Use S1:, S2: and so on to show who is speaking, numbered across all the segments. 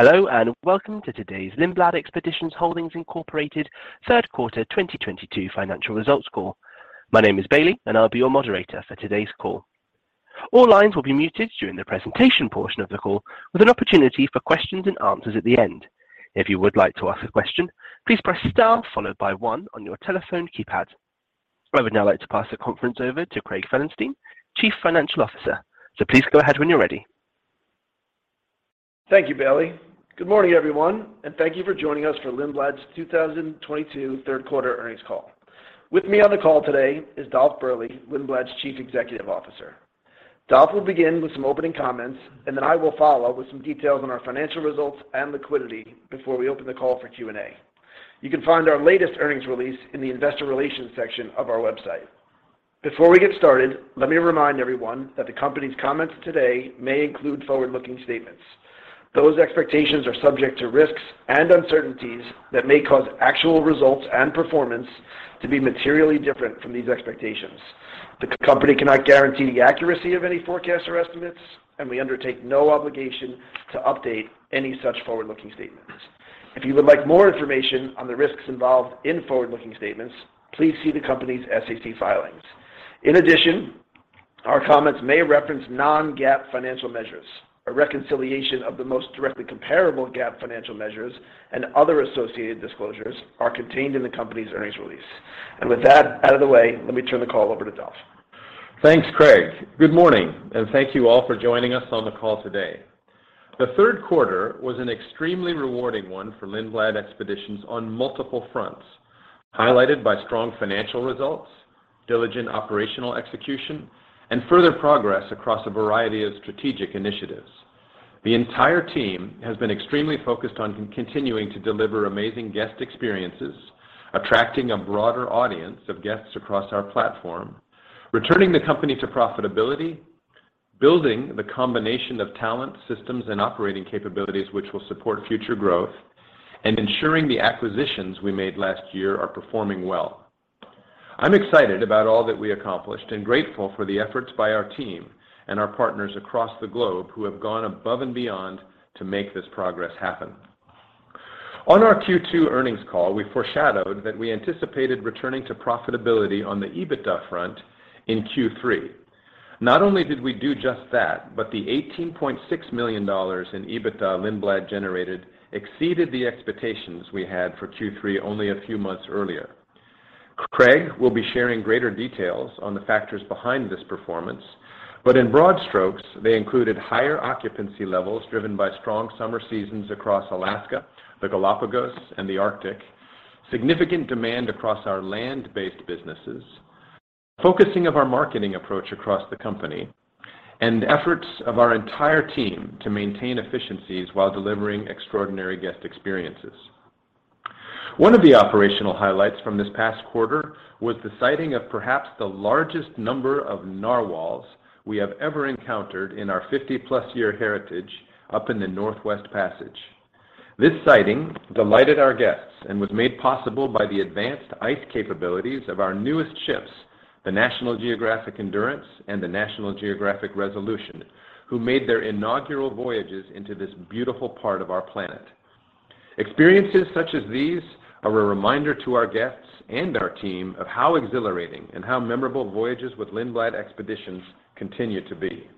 S1: Hello, and welcome to today's Lindblad Expeditions Holdings, Inc. third quarter 2022 financial results call. My name is Bailey, and I'll be your moderator for today's call. All lines will be muted during the presentation portion of the call, with an opportunity for questions and answers at the end. If you would like to ask a question, please press star followed by one on your telephone keypad. I would now like to pass the conference over to Craig Felenstein, Chief Financial Officer. Please go ahead when you're ready.
S2: Thank you, Bailey. Good morning, everyone, and thank you for joining us for Lindblad's 2022 third quarter earnings call. With me on the call today is Dolf Berle, Lindblad's Chief Executive Officer. Dolf will begin with some opening comments, and then I will follow with some details on our financial results and liquidity before we open the call for Q&A. You can find our latest earnings release in the investor relations section of our website. Before we get started, let me remind everyone that the company's comments today may include forward-looking statements. Those expectations are subject to risks and uncertainties that may cause actual results and performance to be materially different from these expectations. The company cannot guarantee the accuracy of any forecasts or estimates, and we undertake no obligation to update any such forward-looking statements. If you would like more information on the risks involved in forward-looking statements, please see the company's SEC filings. In addition, our comments may reference non-GAAP financial measures. A reconciliation of the most directly comparable GAAP financial measures and other associated disclosures are contained in the company's earnings release. With that out of the way, let me turn the call over to Dolf.
S3: Thanks, Craig. Good morning, and thank you all for joining us on the call today. The third quarter was an extremely rewarding one for Lindblad Expeditions on multiple fronts, highlighted by strong financial results, diligent operational execution, and further progress across a variety of strategic initiatives. The entire team has been extremely focused on continuing to deliver amazing guest experiences, attracting a broader audience of guests across our platform, returning the company to profitability, building the combination of talent, systems, and operating capabilities which will support future growth, and ensuring the acquisitions we made last year are performing well. I'm excited about all that we accomplished and grateful for the efforts by our team and our partners across the globe who have gone above and beyond to make this progress happen. On our Q2 earnings call, we foreshadowed that we anticipated returning to profitability on the EBITDA front in Q3. Not only did we do just that, but the $18.6 million in EBITDA Lindblad generated exceeded the expectations we had for Q3 only a few months earlier. Craig will be sharing greater details on the factors behind this performance, but in broad strokes, they included higher occupancy levels driven by strong summer seasons across Alaska, the Galápagos, and the Arctic, significant demand across our land-based businesses, focusing of our marketing approach across the company, and efforts of our entire team to maintain efficiencies while delivering extraordinary guest experiences. One of the operational highlights from this past quarter was the sighting of perhaps the largest number of narwhals we have ever encountered in our 50-plus year heritage up in the Northwest Passage. This sighting delighted our guests and was made possible by the advanced ice capabilities of our newest ships, the National Geographic Endurance and the National Geographic Resolution, who made their inaugural voyages into this beautiful part of our planet. Experiences such as these are a reminder to our guests and our team of how exhilarating and how memorable voyages with Lindblad Expeditions continue to be.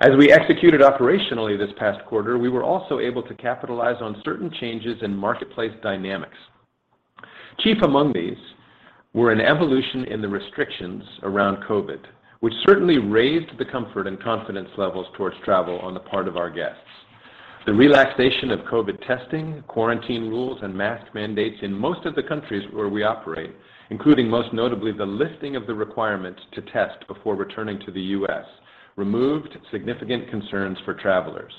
S3: As we executed operationally this past quarter, we were also able to capitalize on certain changes in marketplace dynamics. Chief among these were an evolution in the restrictions around COVID, which certainly raised the comfort and confidence levels towards travel on the part of our guests. The relaxation of COVID testing, quarantine rules, and mask mandates in most of the countries where we operate, including most notably the lifting of the requirement to test before returning to the U.S., removed significant concerns for travelers.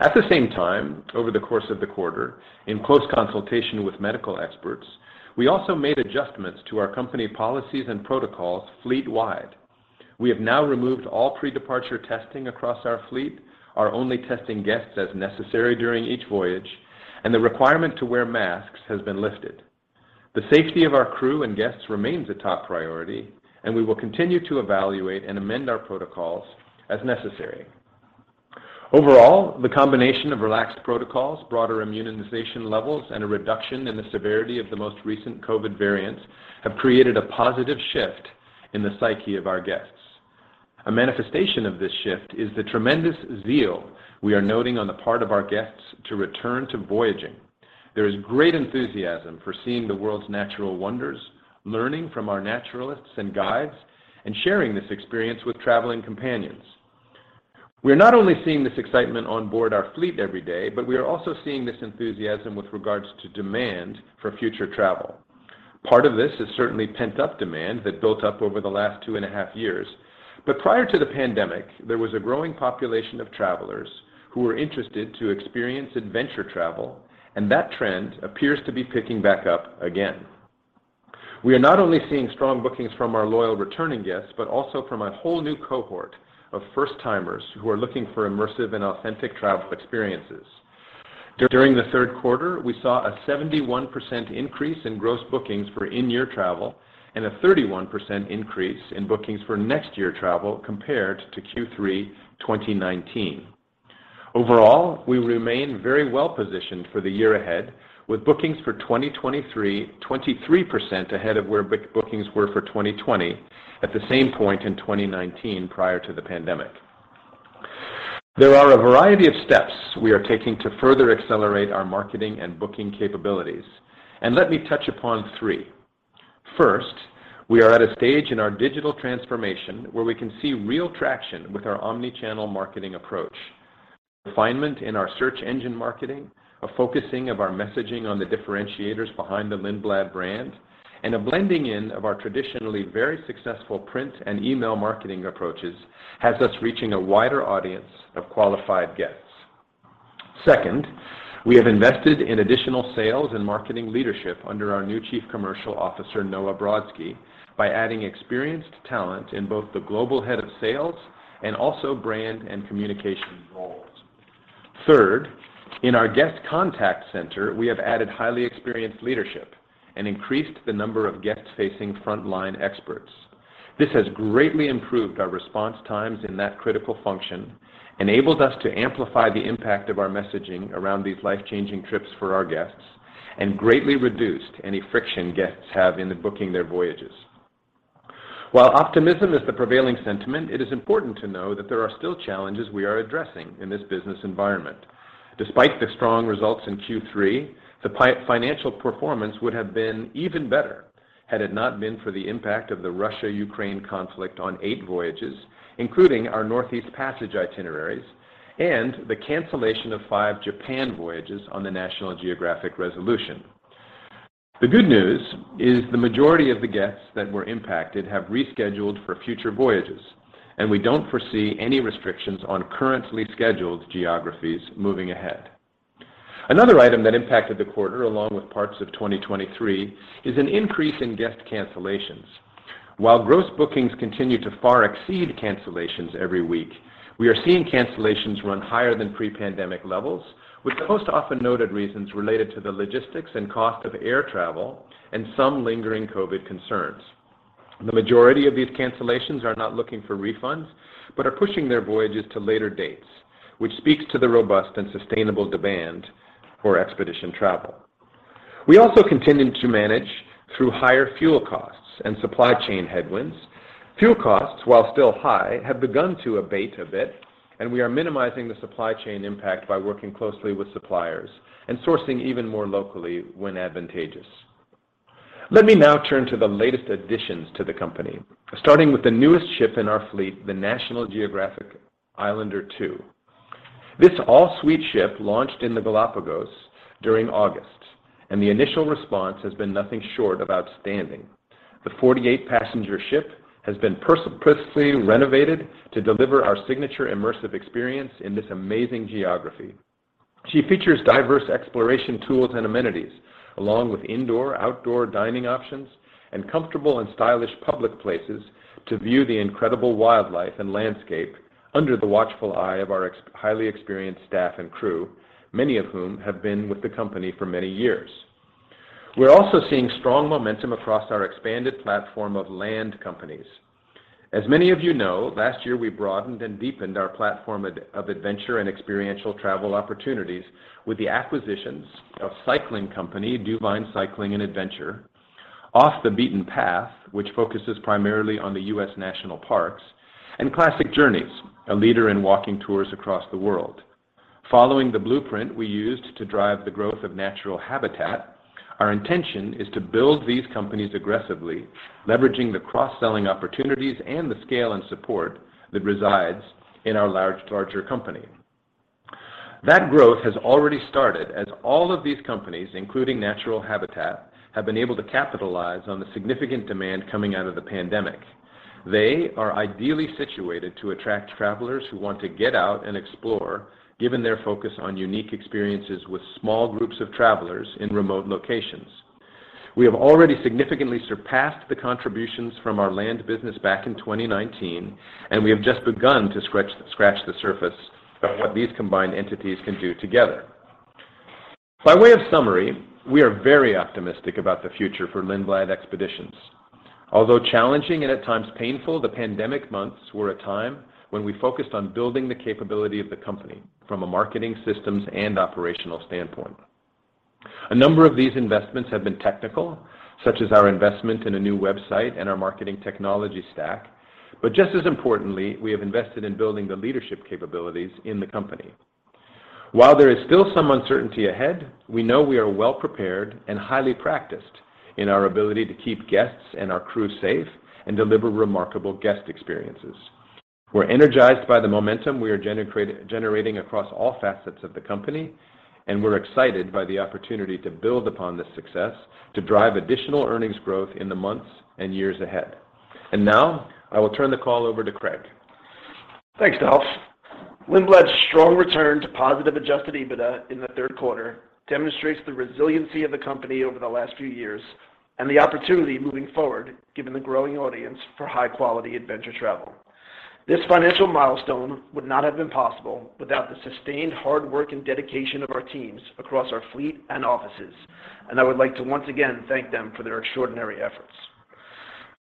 S3: At the same time, over the course of the quarter, in close consultation with medical experts, we also made adjustments to our company policies and protocols fleet-wide. We have now removed all pre-departure testing across our fleet, are only testing guests as necessary during each voyage, and the requirement to wear masks has been lifted. The safety of our crew and guests remains a top priority, and we will continue to evaluate and amend our protocols as necessary. Overall, the combination of relaxed protocols, broader immunization levels, and a reduction in the severity of the most recent COVID variants have created a positive shift in the psyche of our guests. A manifestation of this shift is the tremendous zeal we are noting on the part of our guests to return to voyaging. There is great enthusiasm for seeing the world's natural wonders, learning from our naturalists and guides, and sharing this experience with traveling companions. We are not only seeing this excitement on board our fleet every day, but we are also seeing this enthusiasm with regards to demand for future travel. Part of this is certainly pent-up demand that built up over the last 2.5 years. But prior to the pandemic, there was a growing population of travelers who were interested to experience adventure travel, and that trend appears to be picking back up again. We are not only seeing strong bookings from our loyal returning guests, but also from a whole new cohort of first-timers who are looking for immersive and authentic travel experiences. During the third quarter, we saw a 71% increase in gross bookings for in-year travel and a 31% increase in bookings for next year travel compared to Q3 2019. Overall, we remain very well positioned for the year ahead with bookings for 2023, 23% ahead of where bookings were for 2020 at the same point in 2019 prior to the pandemic. There are a variety of steps we are taking to further accelerate our marketing and booking capabilities, and let me touch upon three. First, we are at a stage in our digital transformation where we can see real traction with our omnichannel marketing approach. Refinement in our search engine marketing, a focusing of our messaging on the differentiators behind the Lindblad brand, and a blending in of our traditionally very successful print and email marketing approaches has us reaching a wider audience of qualified guests. Second, we have invested in additional sales and marketing leadership under our new Chief Commercial Officer, Noah Brodsky, by adding experienced talent in both the global head of sales and also brand and communication roles. Third, in our guest contact center, we have added highly experienced leadership and increased the number of guest-facing frontline experts. This has greatly improved our response times in that critical function, enabled us to amplify the impact of our messaging around these life-changing trips for our guests, and greatly reduced any friction guests have in booking their voyages. While optimism is the prevailing sentiment, it is important to know that there are still challenges we are addressing in this business environment. Despite the strong results in Q3, the financial performance would have been even better had it not been for the impact of the Russia-Ukraine conflict on eight voyages, including our Northeast Passage itineraries and the cancellation of five Japan voyages on the National Geographic Resolution. The good news is the majority of the guests that were impacted have rescheduled for future voyages, and we don't foresee any restrictions on currently scheduled geographies moving ahead. Another item that impacted the quarter, along with parts of 2023, is an increase in guest cancellations. While gross bookings continue to far exceed cancellations every week, we are seeing cancellations run higher than pre-pandemic levels, with the most often noted reasons related to the logistics and cost of air travel and some lingering COVID concerns. The majority of these cancellations are not looking for refunds, but are pushing their voyages to later dates, which speaks to the robust and sustainable demand for expedition travel. We also continued to manage through higher fuel costs and supply chain headwinds. Fuel costs, while still high, have begun to abate a bit, and we are minimizing the supply chain impact by working closely with suppliers and sourcing even more locally when advantageous. Let me now turn to the latest additions to the company, starting with the newest ship in our fleet, the National Geographic Islander II. This all-suite ship launched in the Galápagos during August, and the initial response has been nothing short of outstanding. The 48-passenger ship has been precisely renovated to deliver our signature immersive experience in this amazing geography. She features diverse exploration tools and amenities, along with indoor, outdoor dining options and comfortable and stylish public places to view the incredible wildlife and landscape under the watchful eye of our highly experienced staff and crew, many of whom have been with the company for many years. We're also seeing strong momentum across our expanded platform of land companies. As many of you know, last year, we broadened and deepened our platform of adventure and experiential travel opportunities with the acquisitions of cycling company, DuVine Cycling + Adventure, Off the Beaten Path, which focuses primarily on the U.S. National Parks, and Classic Journeys, a leader in walking tours across the world. Following the blueprint we used to drive the growth of Natural Habitat, our intention is to build these companies aggressively, leveraging the cross-selling opportunities and the scale and support that resides in our large, larger company. That growth has already started as all of these companies, including Natural Habitat, have been able to capitalize on the significant demand coming out of the pandemic. They are ideally situated to attract travelers who want to get out and explore, given their focus on unique experiences with small groups of travelers in remote locations. We have already significantly surpassed the contributions from our land business back in 2019, and we have just begun to scratch the surface of what these combined entities can do together. By way of summary, we are very optimistic about the future for Lindblad Expeditions. Although challenging and at times painful, the pandemic months were a time when we focused on building the capability of the company from a marketing systems and operational standpoint. A number of these investments have been technical, such as our investment in a new website and our marketing technology stack. But just as importantly, we have invested in building the leadership capabilities in the company. While there is still some uncertainty ahead, we know we are well-prepared and highly practiced in our ability to keep guests and our crew safe and deliver remarkable guest experiences. We're energized by the momentum we are generating across all facets of the company, and we're excited by the opportunity to build upon this success to drive additional earnings growth in the months and years ahead. Now, I will turn the call over to Craig.
S2: Thanks, Dolf. Lindblad's strong return to positive adjusted EBITDA in the third quarter demonstrates the resiliency of the company over the last few years and the opportunity moving forward, given the growing audience for high-quality adventure travel. This financial milestone would not have been possible without the sustained hard work and dedication of our teams across our fleet and offices. And I would like to once again thank them for their extraordinary efforts.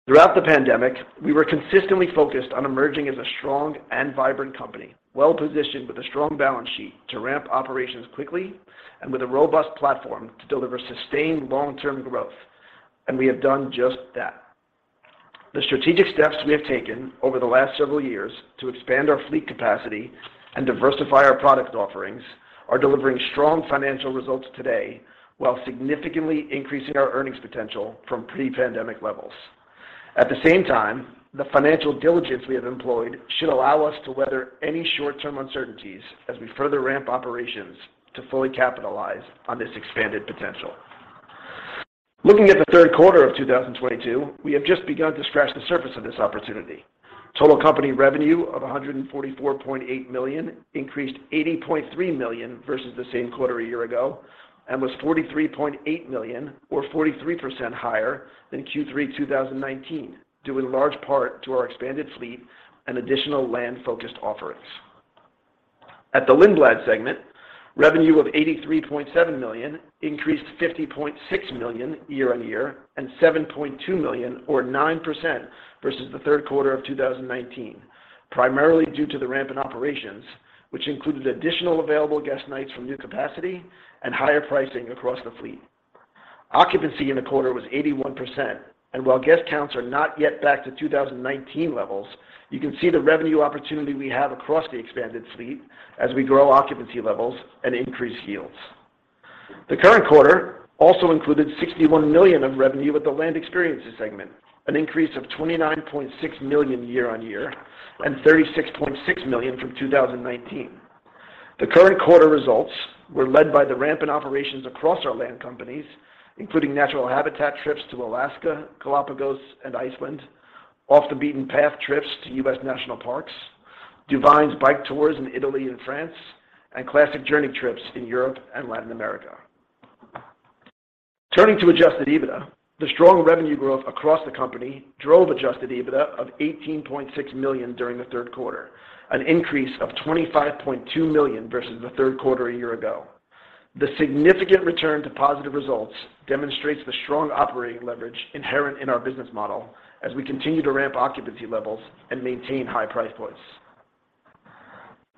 S2: Throughout the pandemic, we were consistently focused on emerging as a strong and vibrant company, well-positioned with a strong balance sheet to ramp operations quickly and with a robust platform to deliver sustained long-term growth. And we have done just that. The strategic steps we have taken over the last several years to expand our fleet capacity and diversify our product offerings are delivering strong financial results today while significantly increasing our earnings potential from pre-pandemic levels. At the same time, the financial diligence we have employed should allow us to weather any short-term uncertainties as we further ramp operations to fully capitalized on this expanded potential. Looking at the third quarter of 2022, we have just begun to scratch the surface of this opportunity. Total company revenue of $144.8 million increased $80.3 million versus the same quarter a year ago, and was $43.8 million or 43% higher than Q3 2019, due in large part to our expanded fleet and additional land-focused offerings. At the Lindblad segment, revenue of $83.7 million increased $50.6 million year-on-year and $7.2 million or 9% versus the third quarter of 2019, primarily due to the ramp in operations, which included additional available guest nights from new capacity and higher pricing across the fleet. Occupancy in the quarter was 81%. While guest counts are not yet back to 2019 levels, you can see the revenue opportunity we have across the expanded fleet as we grow occupancy levels and increase yields. The current quarter also included $61 million of revenue at the Land Experiences segment, an increase of $29.6 million year-on-year and $36.6 million from 2019. The current quarter results were led by the ramp in operations across our land companies, including Natural Habitat trips to Alaska, Galápagos, and Iceland, Off the Beaten Path trips to U.S. National Parks, DuVine Bike Tours in Italy and France, and Classic Journeys trips in Europe and Latin America. Turning to adjusted EBITDA, the strong revenue growth across the company drove adjusted EBITDA of $18.6 million during the third quarter, an increase of $25.2 million versus the third quarter a year ago. The significant return to positive results demonstrates the strong operating leverage inherent in our business model as we continue to ramp occupancy levels and maintain high price points.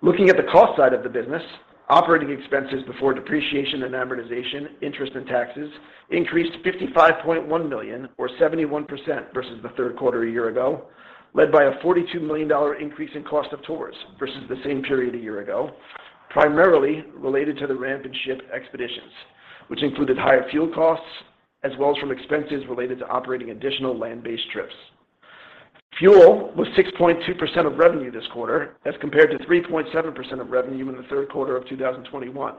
S2: Looking at the cost side of the business, operating expenses before depreciation and amortization, interest and taxes increased $55.1 million or 71% versus the third quarter a year ago, led by a $42 million increase in cost of tours versus the same period a year ago, primarily related to the ramp in ship expeditions, which included higher fuel costs as well as from expenses related to operating additional land-based trips. Fuel was 6.2% of revenue this quarter as compared to 3.7% of revenue in the third quarter of 2021,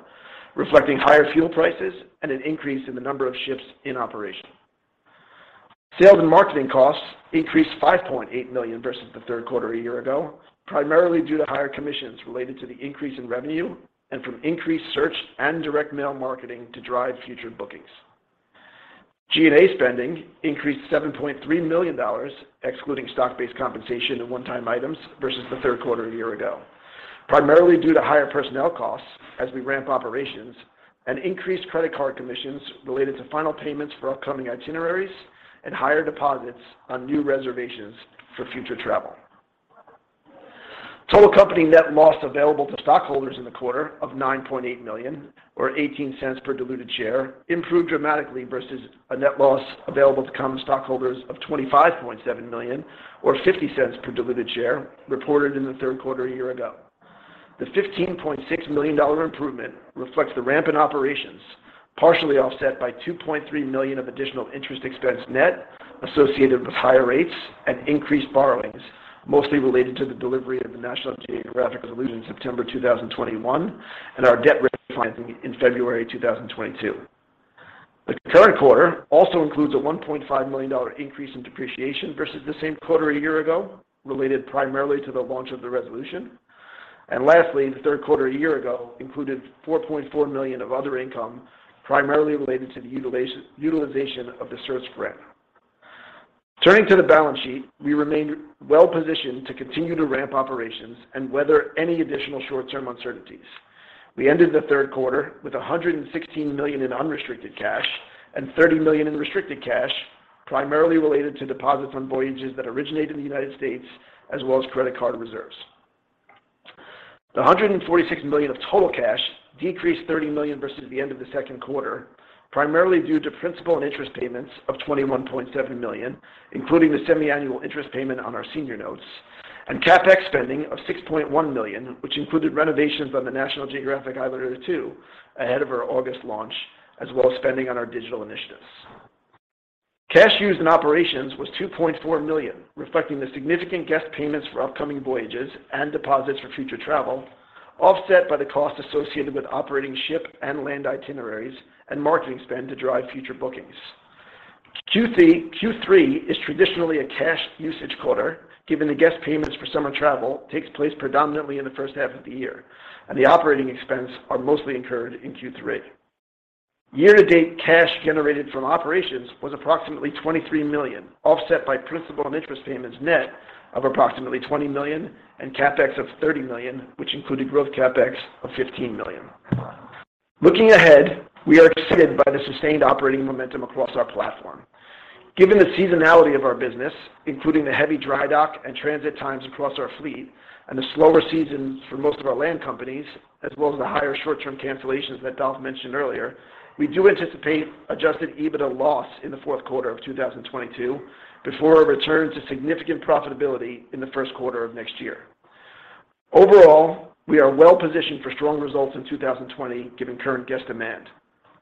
S2: reflecting higher fuel prices and an increase in the number of ships in operation. Sales and marketing costs increased $5.8 million versus the third quarter a year ago, primarily due to higher commissions related to the increase in revenue and from increased search and direct mail marketing to drive future bookings. G&A spending increased $7.3 million, excluding stock-based compensation and one-time items versus the third quarter a year ago, primarily due to higher personnel costs as we ramp operations and increased credit card commissions related to final payments for upcoming itineraries and higher deposits on new reservations for future travel. Total company net loss available to stockholders in the quarter of $9.8 million or $0.18 per diluted share improved dramatically versus a net loss available to common stockholders of $25.7 million or $0.50 per diluted share reported in the third quarter a year ago. The $15.6 million improvement reflects the ramp in operations, partially offset by $2.3 million of additional interest expense net associated with higher rates and increased borrowings, mostly related to the delivery of the National Geographic Resolution in September 2021 and our debt refinancing in February 2022. The current quarter also includes a $1.5 million increase in depreciation versus the same quarter a year ago, related primarily to the launch of the Resolution. And lastly, the third quarter a year ago included $4.4 million of other income, primarily related to the utilization of the CERTS grant. Turning to the balance sheet, we remain well-positioned to continue to ramp operations and weather any additional short-term uncertainties. We ended the third quarter with $116 million in unrestricted cash and $30 million in restricted cash, primarily related to deposits on voyages that originate in the United States as well as credit card reserves. The $146 million of total cash decreased $30 million versus the end of the second quarter, primarily due to principal and interest payments of $21.7 million, including the semiannual interest payment on our senior notes and CapEx spending of $6.1 million, which included renovations on the National Geographic Islander II ahead of our August launch, as well as spending on our digital initiatives. Cash used in operations was $2.4 million, reflecting the significant guest payments for upcoming voyages and deposits for future travel, offset by the cost associated with operating ship and land itineraries and marketing spend to drive future bookings. Q3 is traditionally a cash usage quarter, given the guest payments for summer travel take place predominantly in the first half of the year, and the operating expenses are mostly incurred in Q3. Year-to-date cash generated from operations was approximately $23 million, offset by principal and interest payments net of approximately $20 million and CapEx of $30 million, which included growth CapEx of $15 million. Looking ahead, we are excited by the sustained operating momentum across our platform. Given the seasonality of our business, including the heavy dry dock and transit times across our fleet and the slower seasons for most of our land companies, as well as the higher short-term cancellations that Dolf mentioned earlier, we do anticipate adjusted EBITDA loss in the fourth quarter of 2022 before a return to significant profitability in the first quarter of next year. Overall, we are well-positioned for strong results in 2020 given current guest demand.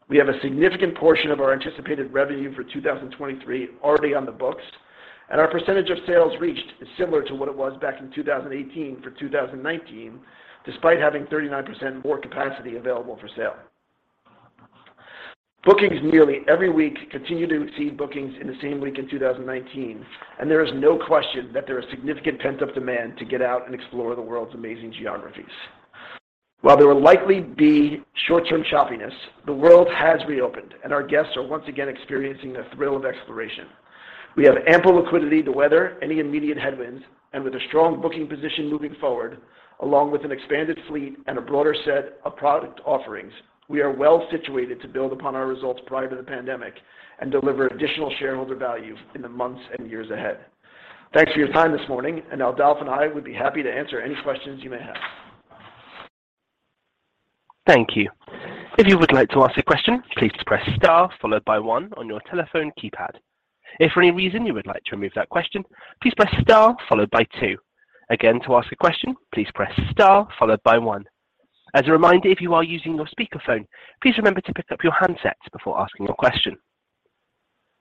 S2: We have a significant portion of our anticipated revenue for 2023 already on the books, and our percentage of sales reached is similar to what it was back in 2018 for 2019, despite having 39% more capacity available for sale. Bookings nearly every week continue to exceed bookings in the same week in 2019, and there is no question that there is significant pent-up demand to get out and explore the world's amazing geographies. While there will likely be short-term choppiness, the world has reopened, and our guests are once again experiencing the thrill of exploration. We have ample liquidity to weather any immediate headwinds, and with a strong booking position moving forward, along with an expanded fleet and a broader set of product offerings, we are well-situated to build upon our results prior to the pandemic and deliver additional shareholder value in the months and years ahead. Thanks for your time this morning, and now Dolf and I would be happy to answer any questions you may have.
S1: Thank you. If you would like to ask a question, please press star followed by one on your telephone keypad. If for any reason you would like to remove that question, please press star followed by two. Again, to ask a question, please press star followed by one. As a reminder, if you are using your speakerphone, please remember to pick up your handset before asking your question.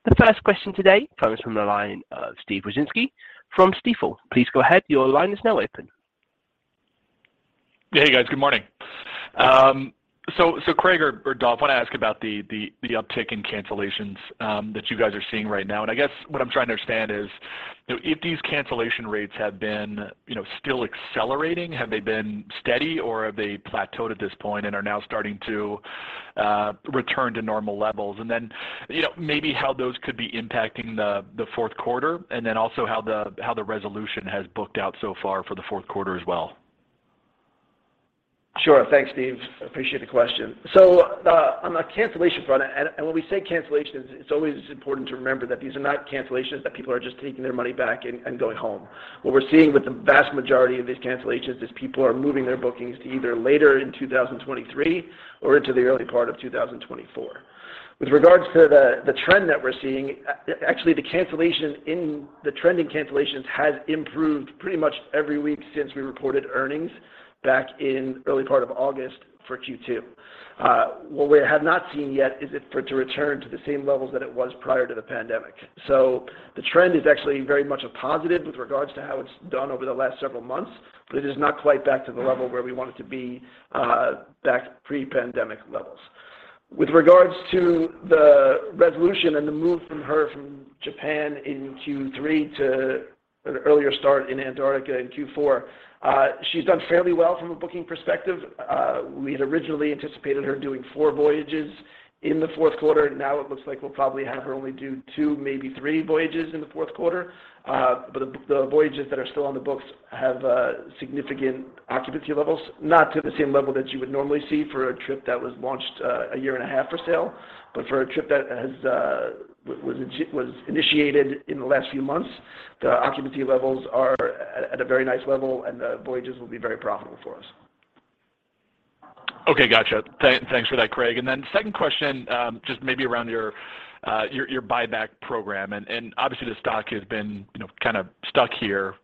S1: The first question today comes from the line of Steve Wieczynski from Stifel. Please go ahead. Your line is now open.
S4: Hey, guys. Good morning. So Craig or Dolf, wanna ask about the uptick in cancellations that you guys are seeing right now. I guess what I'm trying to understand is if these cancellation rates have been, you know, still accelerating, have they been steady, or have they plateaued at this point and are now starting to return to normal levels? You know, maybe how those could be impacting the fourth quarter, and then also how the Resolution has booked out so far for the fourth quarter as well.
S2: Sure. Thanks, Steve. Appreciate the question. On the cancellation front, and when we say cancellations, it's always important to remember that these are not cancellations, that people are just taking their money back and going home. What we're seeing with the vast majority of these cancellations is people are moving their bookings to either later in 2023 or into the early part of 2024. With regards to the trend that we're seeing, actually the trending cancellations has improved pretty much every week since we reported earnings back in early part of August for Q2. What we have not seen yet is it for it to return to the same levels that it was prior to the pandemic. The trend is actually very much a positive with regards to how it's done over the last several months, but it is not quite back to the level where we want it to be, back pre-pandemic levels. With regards to the Resolution and the move from her from Japan in Q3 to an earlier start in Antarctica in Q4, she's done fairly well from a booking perspective. We had originally anticipated her doing four voyages in the fourth quarter. Now it looks like we'll probably have her only do two, maybe three voyages in the fourth quarter. The voyages that are still on the books have significant occupancy levels, not to the same level that you would normally see for a trip that was launched a year and a half for sale. For a trip that was initiated in the last few months, the occupancy levels are at a very nice level, and the voyages will be very profitable for us.
S4: Okay. Gotcha. Thanks for that, Craig. And then second question, just maybe around your buyback program. Obviously the stock has been, you know, kind of stuck here,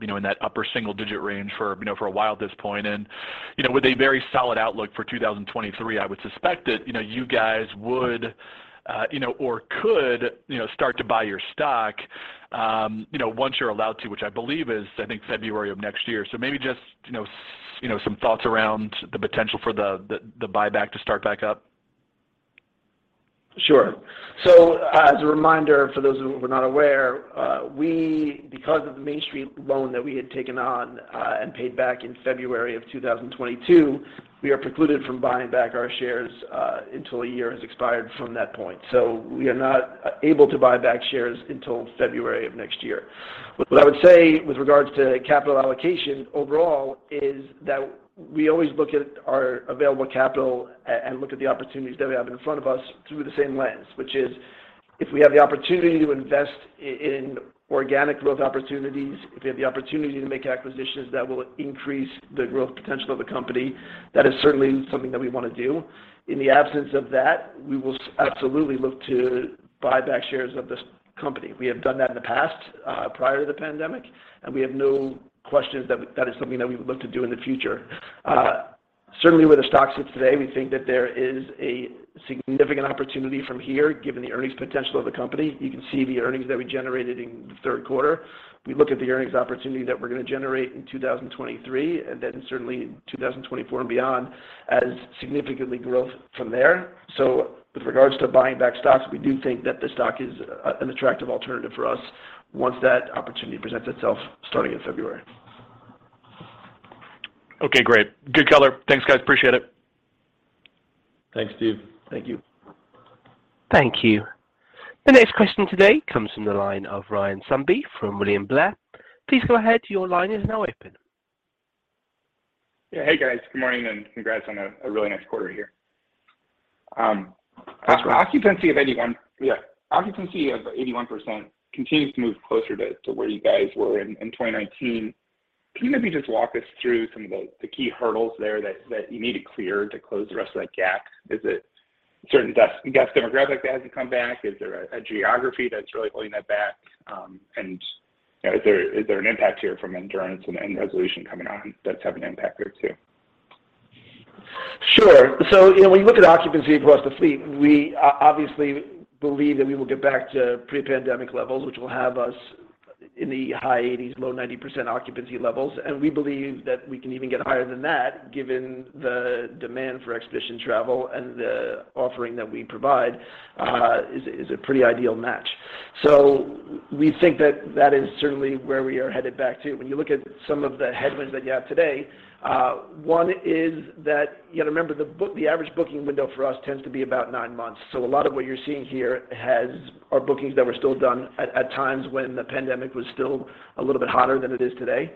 S4: you know, in that upper single digit range for, you know, for a while at this point. You know, with a very solid outlook for 2023, I would suspect that, you know, you guys would, you know, or could, you know, start to buy your stock, you know, once you're allowed to, which I believe is, I think February of next year. Maybe just, you know, some thoughts around the potential for the buyback to start back up.
S2: Sure. As a reminder for those who are not aware, we, because of the Main Street loan that we had taken on, and paid back in February of 2022, we are precluded from buying back our shares, until a year has expired from that point. We are not able to buy back shares until February of next year. What I would say with regards to capital allocation overall is that we always look at our available capital and look at the opportunities that we have in front of us through the same lens, which is if we have the opportunity to invest in organic growth opportunities, if we have the opportunity to make acquisitions that will increase the growth potential of the company, that is certainly something that we wanna do. In the absence of that, we will absolutely look to buy back shares of this company. We have done that in the past, prior to the pandemic, and we have no questions that that is something that we would look to do in the future. Certainly where the stock sits today, we think that there is a significant opportunity from here given the earnings potential of the company. You can see the earnings that we generated in the third quarter. We look at the earnings opportunity that we're gonna generate in 2023, and then certainly in 2024 and beyond as significant growth from there. With regards to buying back stocks, we do think that the stock is an attractive alternative for us once that opportunity presents itself starting in February.
S4: Okay, great. Good color. Thanks, guys. Appreciate it.
S3: Thanks, Steve.
S2: Thank you.
S1: Thank you. The next question today comes from the line of Ryan Sundby from William Blair. Please go ahead, your line is now open.
S5: Yeah. Hey, guys. Good morning, and congrats on a really nice quarter here.
S2: Thanks, Ryan.
S5: Occupancy of 81% continues to move closer to where you guys were in 2019. Can you maybe just walk us through some of the key hurdles there that you need to clear to close the rest of that gap? Is it certain guest demographic that has to come back? Is there a geography that's really holding that back? You know, is there an impact here from Endurance and any Resolution coming on that's having an impact there too?
S2: Sure. You know, when you look at occupancy across the fleet, we obviously believe that we will get back to pre-pandemic levels, which will have us in the high 80s, low 90% occupancy levels. We believe that we can even get higher than that, given the demand for expedition travel and the offering that we provide, is a pretty ideal match. We think that that is certainly where we are headed back to. When you look at some of the headwinds that you have today, one is that, you know, remember the average booking window for us tends to be about nine months. A lot of what you're seeing here are bookings that were still done at times when the pandemic was still a little bit hotter than it is today,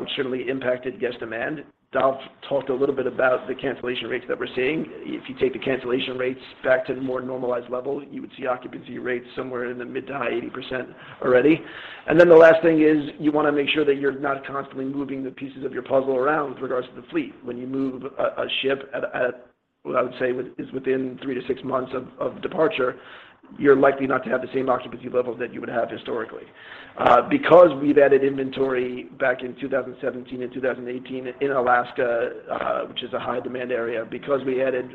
S2: which certainly impacted guest demand. Dolf talked a little bit about the cancellation rates that we're seeing. If you take the cancellation rates back to the more normalized level, you would see occupancy rates somewhere in the mid to high 80% already. The last thing is, you wanna make sure that you're not constantly moving the pieces of your puzzle around with regards to the fleet. When you move a ship at what I would say is within 3-6 months of departure, you're likely not to have the same occupancy levels that you would have historically. Because we've added inventory back in 2017 and 2018 in Alaska, which is a high demand area, because we added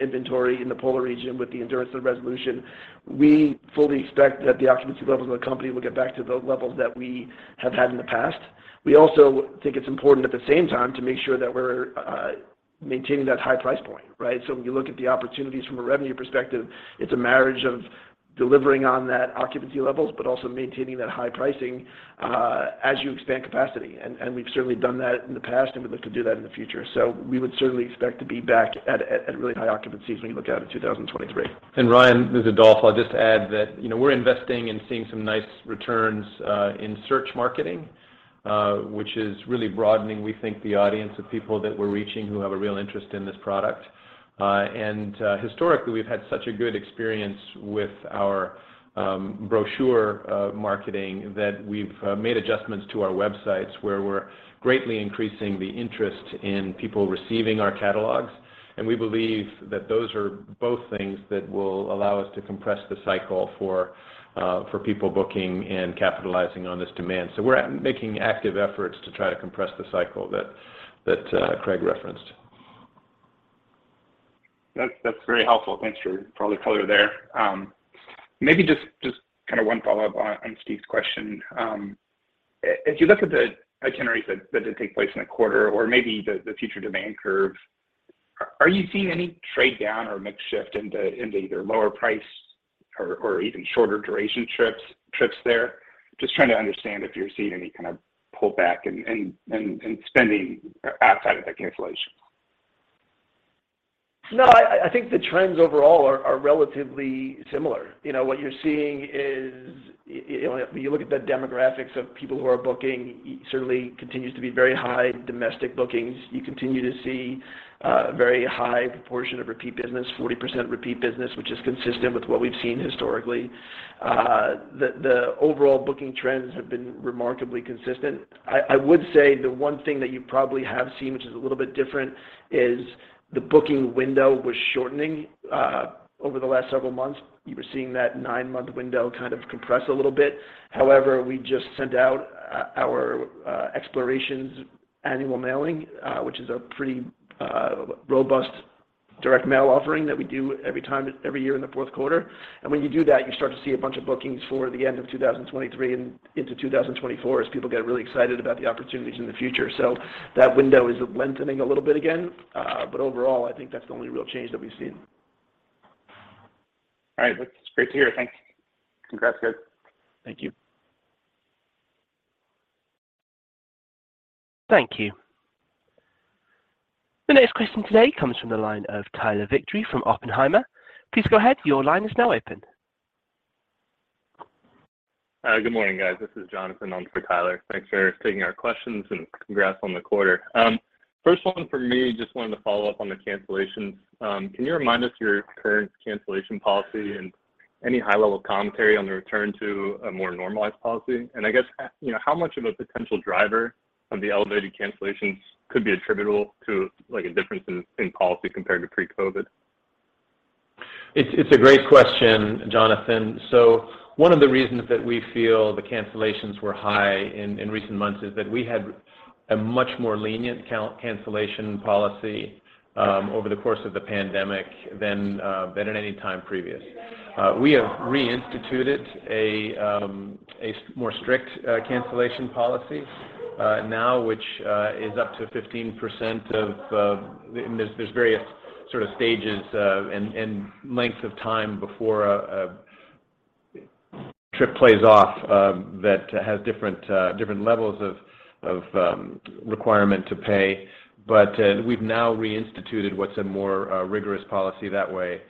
S2: inventory in the polar region with the Endurance and Resolution, we fully expect that the occupancy levels of the company will get back to the levels that we have had in the past. We also think it's important at the same time to make sure that we're maintaining that high price point, right? When you look at the opportunities from a revenue perspective, it's a marriage of delivering on that occupancy levels, but also maintaining that high pricing as you expand capacity. We've certainly done that in the past, and we look to do that in the future. We would certainly expect to be back at really high occupancies when you look out at 2023.
S3: Ryan, this is Dolf. I'll just add that, you know, we're investing and seeing some nice returns in search marketing, which is really broadening, we think, the audience of people that we're reaching who have a real interest in this product. Historically, we've had such a good experience with our brochure marketing that we've made adjustments to our websites where we're greatly increasing the interest in people receiving our catalogs. We believe that those are both things that will allow us to compress the cycle for people booking and capitalizing on this demand. We're making active efforts to try to compress the cycle that Craig referenced.
S5: That's very helpful. Thanks for all the color there. Maybe just kinda one follow-up on Steve's question. If you look at the itineraries that did take place in the quarter or maybe the future demand curve, are you seeing any trade down or mix shift into either lower price or even shorter duration trips there? Just trying to understand if you're seeing any kind of pullback in spending outside of the cancellation.
S2: No, I think the trends overall are relatively similar. You know, what you're seeing is you know, if you look at the demographics of people who are booking, certainly continues to be very high domestic bookings. You continue to see very high proportion of repeat business, 40% repeat business, which is consistent with what we've seen historically. The overall booking trends have been remarkably consistent. I would say the one thing that you probably have seen, which is a little bit different, is the booking window was shortening over the last several months. You were seeing that nine-month window kind of compress a little bit. However, we just sent out our Explorations annual mailing, which is a pretty robust direct mail offering that we do every year in the fourth quarter. When you do that, you start to see a bunch of bookings for the end of 2023 and into 2024 as people get really excited about the opportunities in the future. That window is lengthening a little bit again. Overall, I think that's the only real change that we've seen.
S5: All right. That's great to hear. Thanks. Congrats, guys.
S2: Thank you.
S1: Thank you. The next question today comes from the line of Tyler Batory from Oppenheimer. Please go ahead. Your line is now open.
S6: Good morning, guys. This is Jonathan on for Tyler. Thanks for taking our questions and congrats on the quarter. First one from me, just wanted to follow up on the cancellations. Can you remind us your current cancellation policy and any high-level commentary on the return to a more normalized policy? I guess, you know, how much of a potential driver of the elevated cancellations could be attributable to, like, a difference in policy compared to pre-COVID?
S3: It's a great question, Jonathan. One of the reasons that we feel the cancellations were high in recent months is that we had a much more lenient cancellation policy over the course of the pandemic than at any time previous. We have reinstituted a more strict cancellation policy now, which is up to 15% of. There's various sort of stages and lengths of time before trip place off that has different levels of requirement to pay. We've now reinstituted what's a more rigorous policy that way.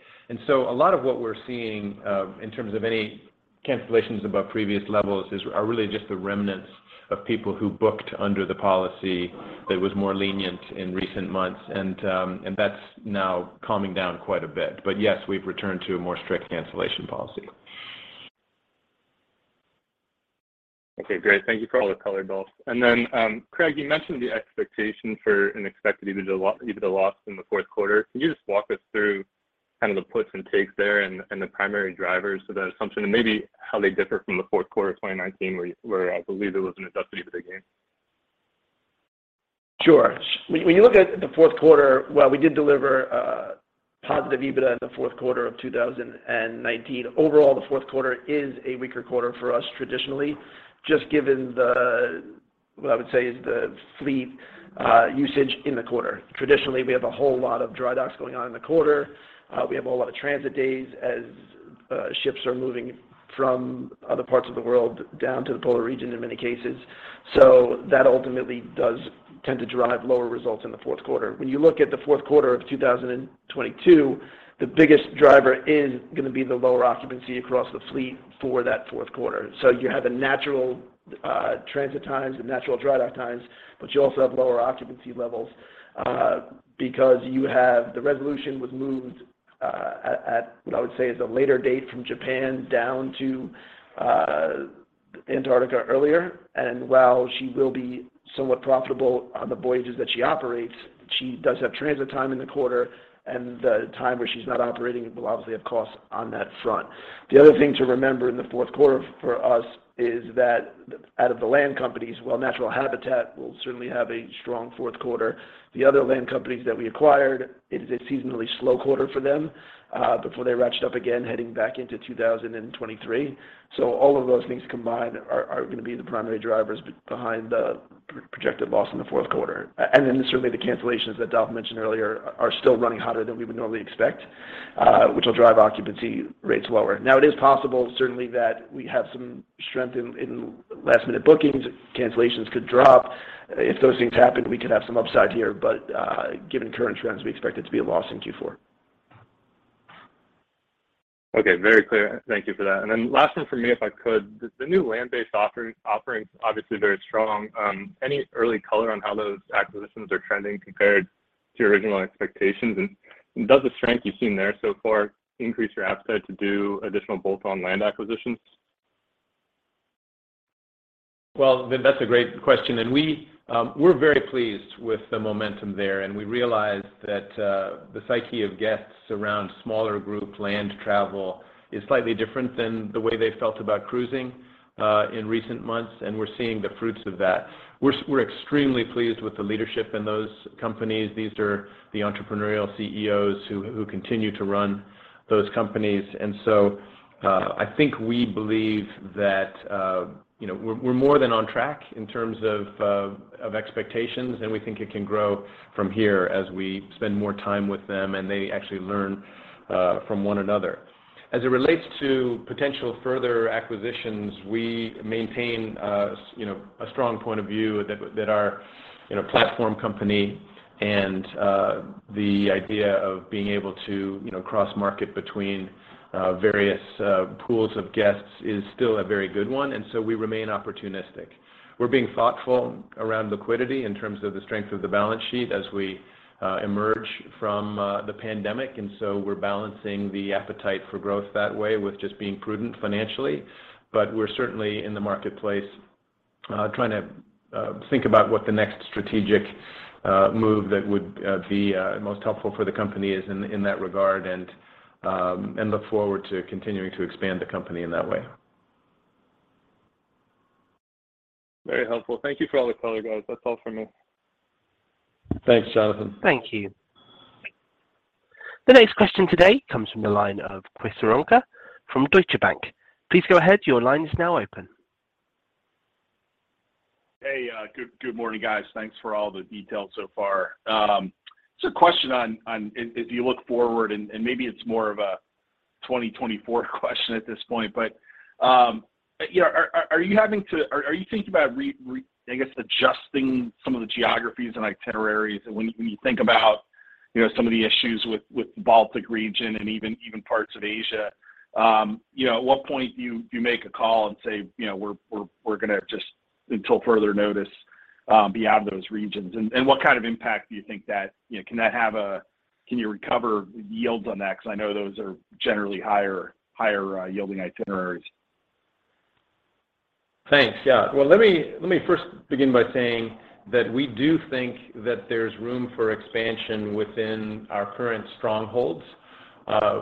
S3: A lot of what we're seeing, in terms of any cancellations above previous levels are really just the remnants of people who booked under the policy that was more lenient in recent months and that's now calming down quite a bit. Yes, we've returned to a more strict cancellation policy.
S6: Okay, great. Thank you for all the color, Dolf. Then Craig, you mentioned the expectation for an expected EBITDA loss in the fourth quarter. Can you just walk us through kind of the puts and takes there and the primary drivers for that assumption? Maybe how they differ from the fourth quarter of 2019 where you, where I believe there was an adjusted EBITDA gain.
S2: Sure. When you look at the fourth quarter, while we did deliver positive EBITDA in the fourth quarter of 2019, overall, the fourth quarter is a weaker quarter for us traditionally, just given the what I would say is the fleet usage in the quarter. Traditionally, we have a whole lot of dry docks going on in the quarter. We have a whole lot of transit days as ships are moving from other parts of the world down to the polar region in many cases. So that ultimately does tend to drive lower results in the fourth quarter. When you look at the fourth quarter of 2022, the biggest driver is gonna be the lower occupancy across the fleet for that fourth quarter. You have the natural transit times and natural dry dock times, but you also have lower occupancy levels because you have, the Resolution was moved at what I would say is a later date from Japan down to Antarctica earlier. While she will be somewhat profitable on the voyages that she operates, she does have transit time in the quarter, and the time where she's not operating will obviously have costs on that front. The other thing to remember in the fourth quarter for us is that out of the land companies, while Natural Habitat will certainly have a strong fourth quarter, the other land companies that we acquired, it is a seasonally slow quarter for them before they ratchet up again heading back into 2023. All of those things combined are gonna be the primary drivers behind the projected loss in the fourth quarter. And then certainly the cancellations that Dolf mentioned earlier are still running hotter than we would normally expect, which will drive occupancy rates lower. Now, it is possible certainly that we have some strength in last-minute bookings. Cancellations could drop. If those things happened, we could have some upside here. Given current trends, we expect it to be a loss in Q4.
S6: Okay, very clear. Thank you for that. Last one from me, if I could. The new land-based offering's obviously very strong. Any early color on how those acquisitions are trending compared to your original expectations? Does the strength you've seen there so far increase your appetite to do additional bolt-on land acquisitions?
S3: That's a great question, and we're very pleased with the momentum there, and we realize that the psyche of guests around smaller group land travel is slightly different than the way they felt about cruising in recent months, and we're seeing the fruits of that. We're extremely pleased with the leadership in those companies. These are the entrepreneurial CEOs who continue to run those companies. I think we believe that, you know, we're more than on track in terms of expectations, and we think it can grow from here as we spend more time with them and they actually learn from one another. As it relates to potential further acquisitions, we maintain you know, a strong point of view that our you know, platform company and the idea of being able to you know, cross market between various pools of guests is still a very good one. We remain opportunistic. We're being thoughtful around liquidity in terms of the strength of the balance sheet as we emerge from the pandemic. We're balancing the appetite for growth that way with just being prudent financially. We're certainly in the marketplace trying to think about what the next strategic move that would be most helpful for the company is in that regard and look forward to continuing to expand the company in that way.
S6: Very helpful. Thank you for all the color, guys. That's all for me.
S2: Thanks, Jonathan.
S1: Thank you. The next question today comes from the line of Chris Woronka from Deutsche Bank. Please go ahead, your line is now open.
S7: Hey, good morning, guys. Thanks for all the details so far. Question on if you look forward, maybe it's more of a 2024 question at this point, but you know, are you thinking about, I guess, adjusting some of the geographies and itineraries when you think about, you know, some of the issues with the Baltic region and even parts of Asia? You know, at what point do you make a call and say, you know, "We're gonna just, until further notice, be out of those regions"? And what kind of impact do you think that can have? Can you recover yields on that? Because I know those are generally higher yielding itineraries.
S3: Thanks. Yeah. Well, let me first begin by saying that we do think that there's room for expansion within our current strongholds,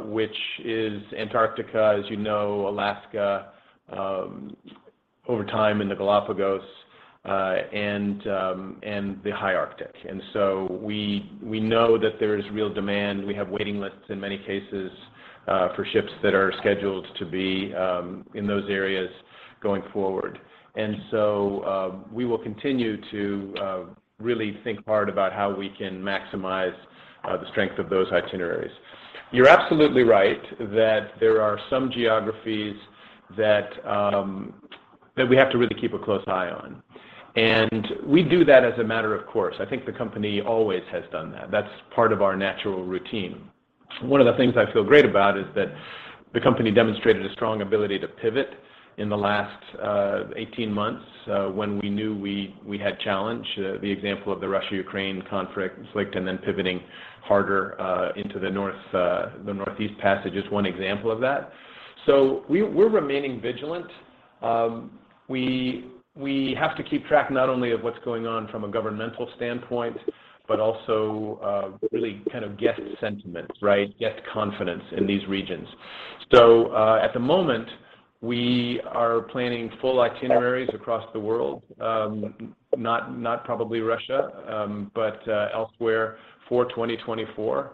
S3: which is Antarctica, as you know, Alaska, over time in the Galápagos, and the high Arctic. We know that there's real demand. We have waiting lists in many cases for ships that are scheduled to be in those areas going forward. We will continue to really think hard about how we can maximize the strength of those itineraries. You're absolutely right that there are some geographies that we have to really keep a close eye on, and we do that as a matter of course. I think the company always has done that. That's part of our natural routine. One of the things I feel great about is that the company demonstrated a strong ability to pivot in the last 18 months when we knew we had challenge. The example of the Russia-Ukraine conflict and then pivoting harder into the North, the Northeast Passage is one example of that. We're remaining vigilant. We have to keep track not only of what's going on from a governmental standpoint, but also really kind of guest sentiment, right? Guest confidence in these regions. At the moment, we are planning full itineraries across the world, not probably Russia, but elsewhere for 2024.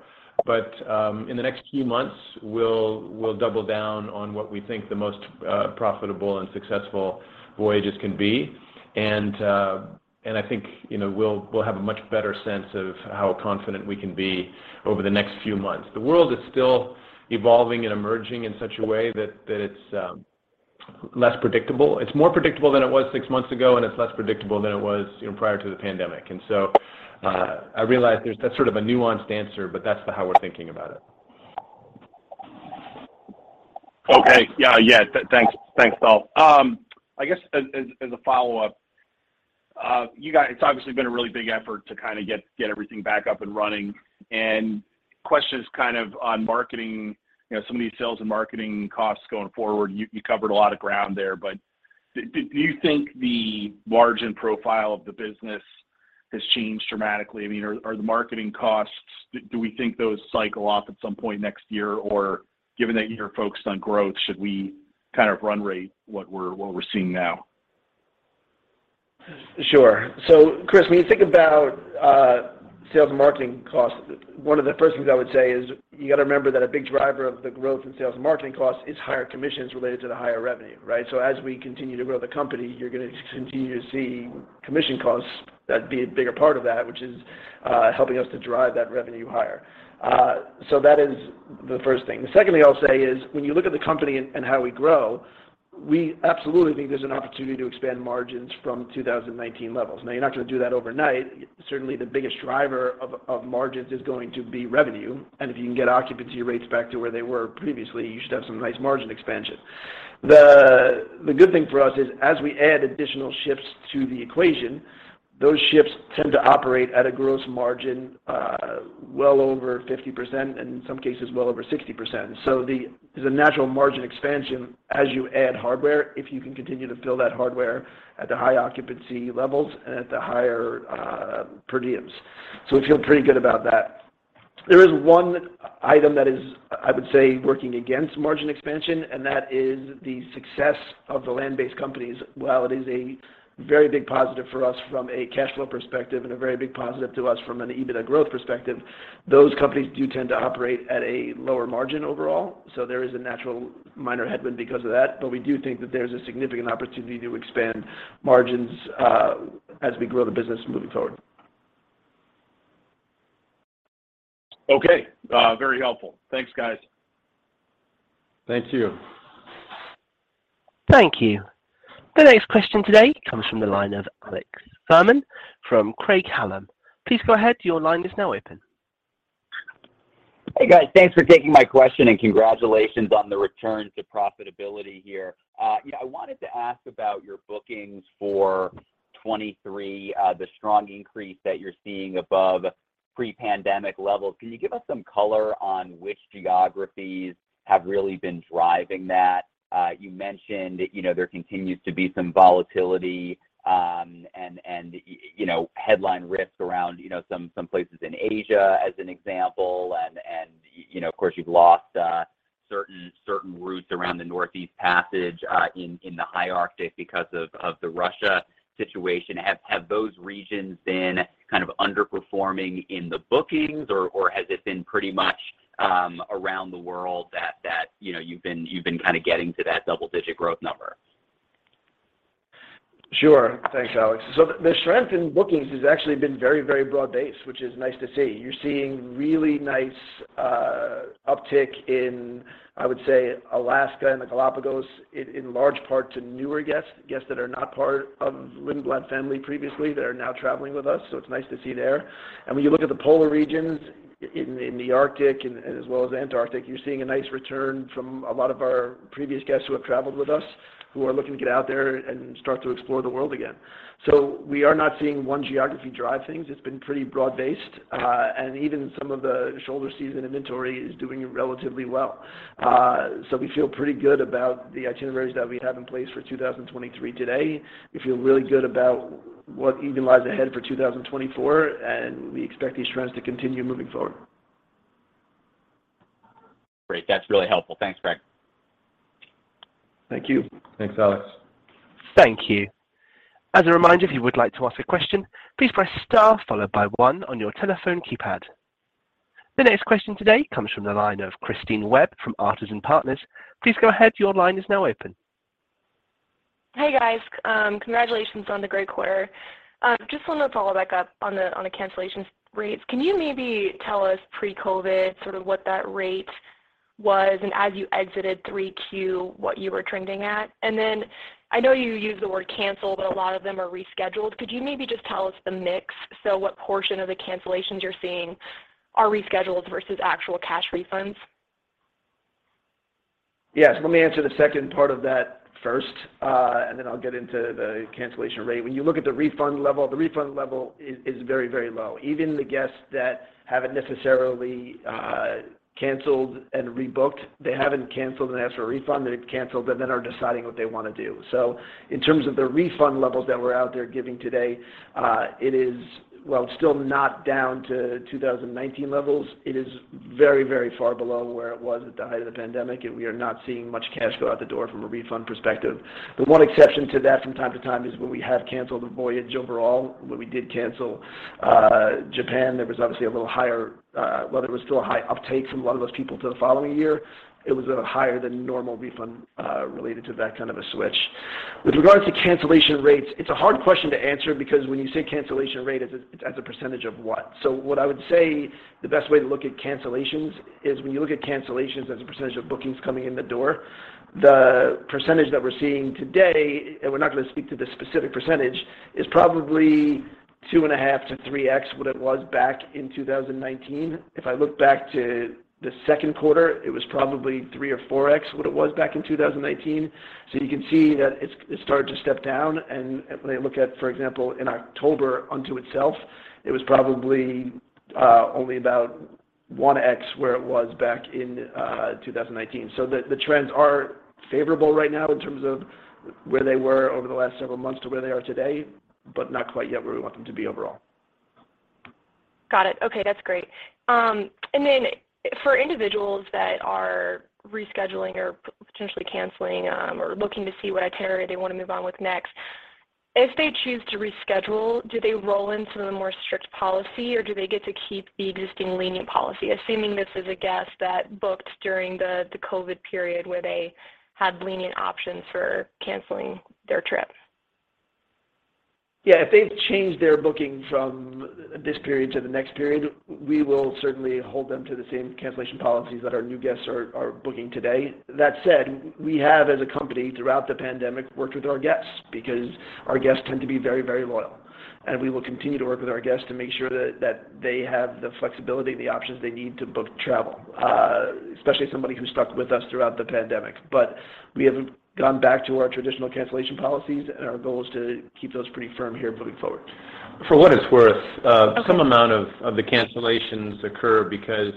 S3: In the next few months, we'll double down on what we think the most profitable and successful voyages can be. I think, you know, we'll have a much better sense of how confident we can be over the next few months. The world is still evolving and emerging in such a way that it's less predictable. It's more predictable than it was six months ago, and it's less predictable than it was, you know, prior to the pandemic. I realize that's sort of a nuanced answer, but that's how we're thinking about it.
S7: Thanks, Dolf. I guess as a follow-up, you guys, it's obviously been a really big effort to kinda get everything back up and running, question is kind of on marketing, you know, some of these sales and marketing costs going forward. You covered a lot of ground there, but do you think the margin profile of the business has changed dramatically? I mean, are the marketing costs, do we think those cycle off at some point next year, or given that you're focused on growth, should we kind of run rate what we're seeing now?
S2: Sure. Chris, when you think about sales and marketing costs, one of the first things I would say is you gotta remember that a big driver of the growth in sales and marketing costs is higher commissions related to the higher revenue, right? As we continue to grow the company, you're gonna continue to see commission costs that be a bigger part of that, which is helping us to drive that revenue higher. That is the first thing. The second thing I'll say is when you look at the company and how we grow, we absolutely think there's an opportunity to expand margins from 2019 levels. Now, you're not gonna do that overnight. Certainly the biggest driver of margins is going to be revenue. If you can get occupancy rates back to where they were previously, you should have some nice margin expansion. The good thing for us is as we add additional ships to the equation, those ships tend to operate at a gross margin well over 50%, and in some cases well over 60%. There's a natural margin expansion as you add hardware if you can continue to fill that hardware at the high occupancy levels and at the higher per diems. We feel pretty good about that. There is one item that is, I would say, working against margin expansion, and that is the success of the land-based companies. While it is a very big positive for us from a cash flow perspective and a very big positive to us from an EBITDA growth perspective, those companies do tend to operate at a lower margin overall. There is a natural minor headwind because of that, but we do think that there's a significant opportunity to expand margins, as we grow the business moving forward.
S7: Okay. Very helpful. Thanks, guys.
S3: Thank you.
S1: Thank you. The next question today comes from the line of Alex Fuhrman from Craig-Hallum. Please go ahead. Your line is now open.
S8: Hey, guys. Thanks for taking my question, and congratulations on the return to profitability here. I wanted to ask about your bookings for 2023, the strong increase that you're seeing above pre-pandemic levels. Can you give us some color on which geographies have really been driving that? You mentioned, you know, there continues to be some volatility, and you know, headline risk around, you know, some places in Asia as an example. You know, of course, you've lost certain routes around the Northeast Passage in the high Arctic because of the Russia situation. Have those regions been kind of underperforming in the bookings, or has it been pretty much around the world that you know you've been kinda getting to that double-digit growth number?
S2: Sure. Thanks, Alex. The strength in bookings has actually been very, very broad-based, which is nice to see. You're seeing really nice uptick in, I would say, Alaska and the Galápagos in large part to newer guests that are not part of Lindblad family previously that are now traveling with us. It's nice to see there. When you look at the polar regions in the Arctic and as well as Antarctic, you're seeing a nice return from a lot of our previous guests who have traveled with us, who are looking to get out there and start to explore the world again. We are not seeing one geography drive things. It's been pretty broad-based. And even some of the shoulder season inventory is doing relatively well. We feel pretty good about the itineraries that we have in place for 2023 today. We feel really good about what even lies ahead for 2024, and we expect these trends to continue moving forward.
S8: Great. That's really helpful. Thanks, Craig.
S2: Thank you.
S3: Thanks, Alex.
S1: Thank you. As a reminder, if you would like to ask a question, please press star followed by one on your telephone keypad. The next question today comes from the line of Christine Webb from Artisan Partners. Please go ahead. Your line is now open.
S9: Hey, guys. Congratulations on the great quarter. Just want to follow back up on the cancellation rates. Can you maybe tell us pre-COVID sort of what that rate was and as you exited 3Q, what you were trending at? I know you use the word cancel, but a lot of them are rescheduled. Could you maybe just tell us the mix? What portion of the cancellations you're seeing are rescheduled versus actual cash refunds?
S2: Yes. Let me answer the second part of that first, and then I'll get into the cancellation rate. When you look at the refund level, the refund level is very, very low. Even the guests that haven't necessarily canceled and rebooked, they haven't canceled and asked for a refund. They've canceled and then are deciding what they want to do. In terms of the refund levels that we're out there giving today, it is still not down to 2019 levels. It is very, very far below where it was at the height of the pandemic, and we are not seeing much cash go out the door from a refund perspective. The one exception to that from time to time is when we have canceled a voyage overall. When we did cancel Japan, there was obviously a little higher while there was still a high uptake from a lot of those people to the following year, it was a higher than normal refund related to that kind of a switch. With regards to cancellation rates, it's a hard question to answer because when you say cancellation rate, it's a percentage of what? So what I would say the best way to look at cancellations is when you look at cancellations as a percentage of bookings coming in the door, the percentage that we're seeing today, and we're not gonna speak to the specific percentage, is probably 2.5-3x what it was back in 2019. If I look back to the second quarter, it was probably 3 or 4x what it was back in 2018. You can see that it started to step down. When I look at, for example, in October unto itself, it was probably only about 1x where it was back in 2019. The trends are favorable right now in terms of where they were over the last several months to where they are today, but not quite yet where we want them to be overall.
S9: Got it. Okay. That's great. For individuals that are rescheduling or potentially canceling, or looking to see what itinerary they wanna move on with next, if they choose to reschedule, do they roll into the more strict policy, or do they get to keep the existing lenient policy, assuming this is a guest that booked during the COVID period where they had lenient options for canceling their trip?
S2: Yeah. If they've changed their booking from this period to the next period, we will certainly hold them to the same cancellation policies that our new guests are booking today. That said, we have, as a company, throughout the pandemic, worked with our guests because our guests tend to be very, very loyal. We will continue to work with our guests to make sure that they have the flexibility and the options they need to book travel, especially somebody who stuck with us throughout the pandemic. We have gone back to our traditional cancellation policies, and our goal is to keep those pretty firm here moving forward.
S3: For what it's worth.
S9: Okay.
S3: Some amount of the cancellations occur because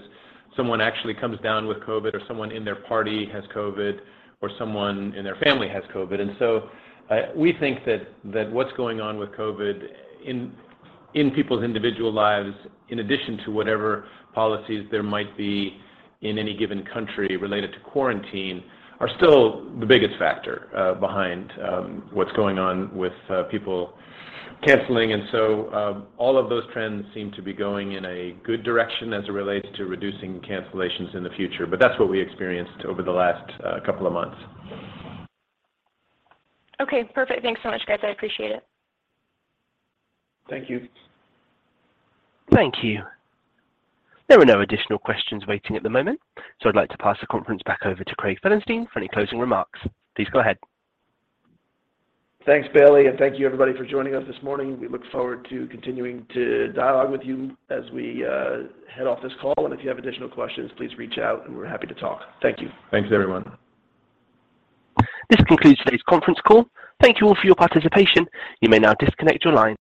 S3: someone actually comes down with COVID or someone in their party has COVID or someone in their family has COVID. We think that what's going on with COVID in people's individual lives, in addition to whatever policies there might be in any given country related to quarantine, are still the biggest factor behind what's going on with people canceling. All of those trends seem to be going in a good direction as it relates to reducing cancellations in the future. That's what we experienced over the last couple of months.
S9: Okay. Perfect. Thanks so much, guys. I appreciate it.
S2: Thank you.
S1: Thank you. There are no additional questions waiting at the moment, so I'd like to pass the conference back over to Craig Felenstein for any closing remarks. Please go ahead.
S2: Thanks, Bailey. Thank you everybody for joining us this morning. We look forward to continuing to dialogue with you as we head off this call. If you have additional questions, please reach out, and we're happy to talk. Thank you.
S3: Thanks, everyone.
S1: This concludes today's conference call. Thank you all for your participation. You may now disconnect your line.